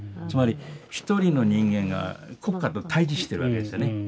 つまり一人の人間が国家と対じしてるわけですよね。